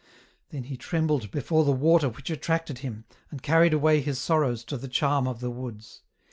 Then he trembled before the water which attracted him, and carried away his sorrows to the charm of the woods.